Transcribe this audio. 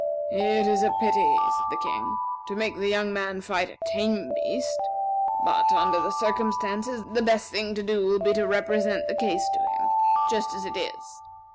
"It is a pity," said the King, "to make the young man fight a tame beast; but, under the circumstances, the best thing to do will be to represent the case to him, just as it is.